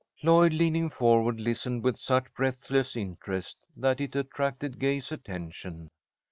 '" Lloyd, leaning forward, listened with such breathless interest that it attracted Gay's attention.